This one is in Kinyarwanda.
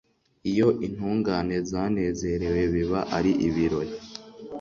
iyo intungane zanezerewe, biba ari ibirori